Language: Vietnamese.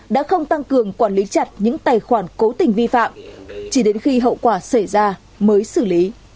đã không tăng cường quản lý chặt những tài khoản cố tình vi phạm chỉ đến khi hậu quả xảy ra mới xử lý